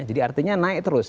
jadi artinya naik terus